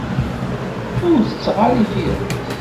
Ur tetteɣ ara ifires.